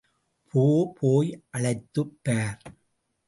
போ போய் அழைத்துப் பார்!